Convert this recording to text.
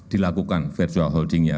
dilakukan virtual holdingnya